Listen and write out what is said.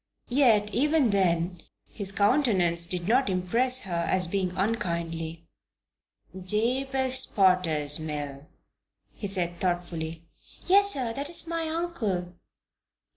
Yet even then his countenance did not impress her as being unkindly. "Jabez Potter's mill," he said, thoughtfully. "Yes, sir. That is my uncle's name."